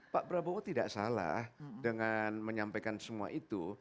pak prabowo tidak salah dengan menyampaikan semua itu